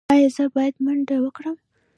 ایا زه باید منډه وکړم؟